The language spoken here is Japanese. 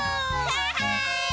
わい！